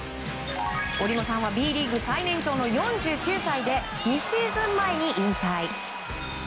折茂さんはＢリーグ最年少の４９歳で２シーズン前に引退。